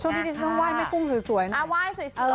ช่วงนี้ดิฉันต้องไหว้แม่กุ้งสวยหน่อย